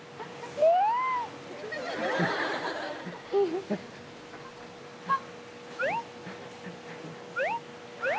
えっ！